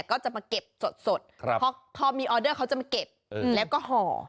ก็จะมาเก็บสดพอมีออเดอร์เขาจะมาเก็บแล้วก็ห่อ